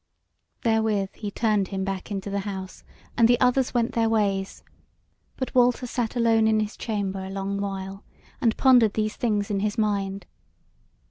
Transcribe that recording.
Therewith he turned him back into the house, and the others went their ways; but Walter sat alone in his chamber a long while, and pondered these things in his mind.